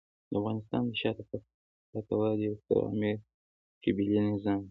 د افغانستان د شاته پاتې والي یو ستر عامل قبیلې نظام دی.